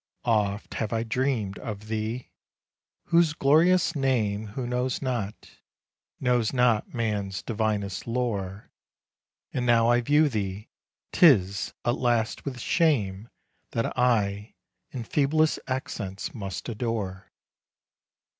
Oft have I dreamed of Thee! whose glorious name Who knows not, knows not man's divinest lore: 11 And now I view thee, 'tis, alas! with shame That I in feeblest accents must adore.